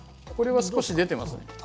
これは少し出てますね。